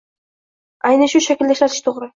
Ayni shu shaklda ishlatish toʻgʻri